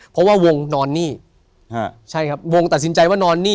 เพราะว่าวงนอนหนี้ใช่ครับวงตัดสินใจว่านอนหนี้